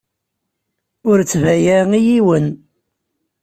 Ur ttbayaɛeɣ i yiwen.